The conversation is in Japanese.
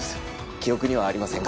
記憶にはありませんが。